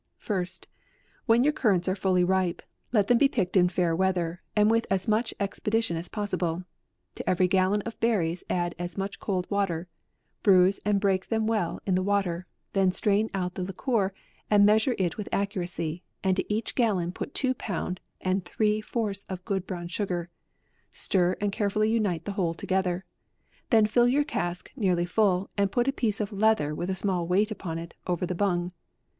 First, when your currants are fully ripe, let them be picked in fair weather, and with as much expedition as possible. To every gallon of berries add as much cold water, bruise and break them well in the water, then strain out the liquor and measure it with accuracy, and to each gallon put two pound and three fourths of good brown sugar, stir and carefully unite the whole together ; then fill your cask nearly full, and put a piece of leather with a small weight upon it, over the bung.